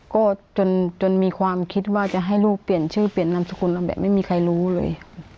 ก็จนมีความคิดว่าจะให้ลูกเปลี่ยนชื่อเปลี่ยนนามสกุลเราแบบไม่มีใครรู้เลย